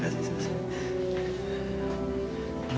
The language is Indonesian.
pak eh permisi dulu